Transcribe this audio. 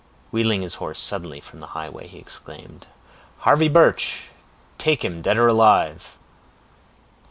Wheeling his horse suddenly from the highway he exclaimed, "Harvey Birch!—take him, dead or alive!"